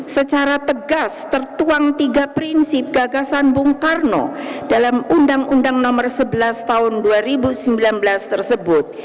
secara tegas tertuang tiga prinsip gagasan bung karno dalam undang undang nomor sebelas tahun dua ribu sembilan belas tersebut